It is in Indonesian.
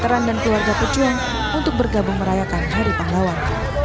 peran dan keluarga pejuang untuk bergabung merayakan hari pahlawan